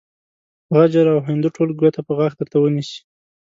غجر او هندو ټول ګوته په غاښ درته ونيسي.